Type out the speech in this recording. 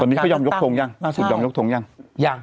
ตอนนี้เขายอมยกโทงหรือยังล่าสุดยอมยกโทงหรือยัง